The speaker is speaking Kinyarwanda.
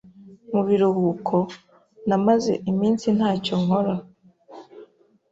Mu biruhuko, namaze iminsi ntacyo nkora.